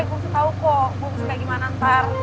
gue mau tau kok gue mau tau kayak gimana ntar